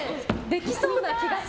できそうな気がする。